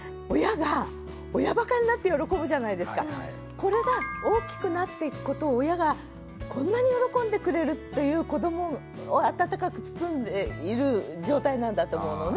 これが大きくなっていくことを親がこんなに喜んでくれるっていう子どもを温かく包んでいる状態なんだと思うのね。